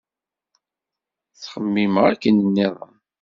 Ttxemmimeɣ akken-nniḍen.